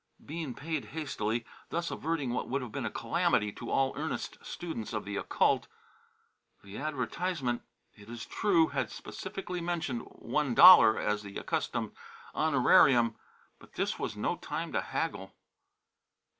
Bean paid hastily, thus averting what would have been a calamity to all earnest students of the occult. The advertisement, it is true, had specifically mentioned one dollar as the accustomed honorarium, but this was no time to haggle.